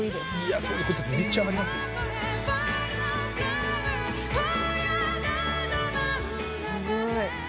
すごい。